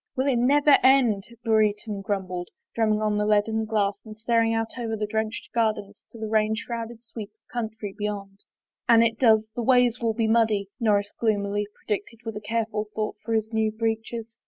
" Will it never have done ?" Brereton grumbled, drum ming on the leaded glass and* staring out over the drenched gardens to the rain shrouded sweep of country beyond. " An it does, the ways will be muddy," Norris gloom ily predicted with a careful thought for his new breeches.